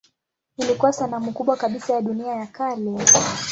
Ilikuwa sanamu kubwa kabisa ya dunia ya kale.